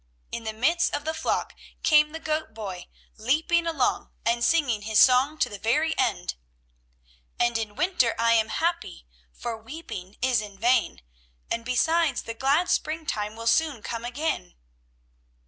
In the midst of the flock came the goat boy leaping along, and singing his song to the very end: "And in winter I am happy, For weeping is in vain, And, besides, the glad springtime Will soon come again."